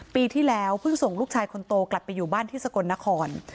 ปีที่แล้วเพิ่งส่งลูกชายคนโตกลับไปอยู่บ้านที่สกลนคร